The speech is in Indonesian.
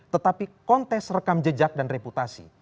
tetapi kontes rekam jejak dan reputasi